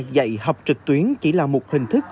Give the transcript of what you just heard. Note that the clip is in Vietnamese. dạy học trực tuyến chỉ là một hình thức